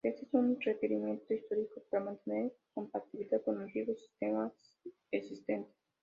Este es un requerimiento histórico para mantener compatibilidad con antiguos sistemas existentes.